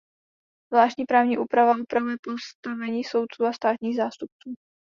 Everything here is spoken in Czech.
Zvláštní právní úprava upravuje postavení soudců a státních zástupců.